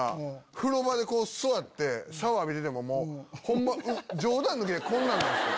風呂場で座ってシャワー浴びててもホンマ冗談抜きでこうなんすよ。